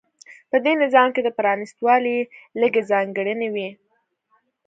په دې نظام کې د پرانېستوالي لږې ځانګړنې وې.